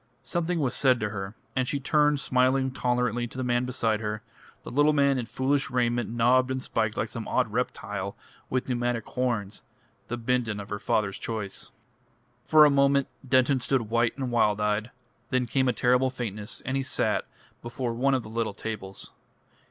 Something was said to her, and she turned smiling tolerantly to the man beside her, a little man in foolish raiment knobbed and spiked like some odd reptile with pneumatic horns the Bindon of her father's choice. For a moment Denton stood white and wild eyed; then came a terrible faintness, and he sat before one of the little tables.